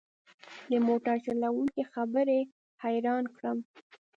د موټر چلوونکي خبرې حيران کړم.